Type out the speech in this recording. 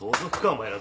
お前ら。